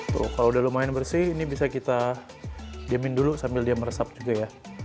tuh kalau udah lumayan bersih ini bisa kita diamin dulu sambil dia meresap juga ya